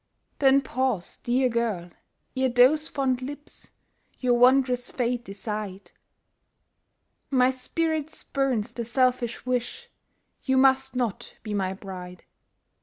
Then pause, dear girl! ere those fond lips Your wanderer's fate decide; My spirit spurns the selfish wish You must not be my bride.